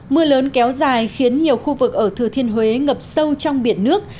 mưa lớn kéo dài khiến nhiều khu vực ở thừa thiên huế ngập sâu trong biển nước